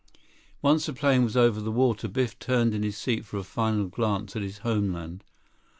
Once the plane was over the water, Biff turned in his seat for a final glance at his homeland.